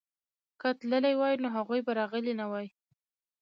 که تللي وای نو هغوی به راغلي نه وای.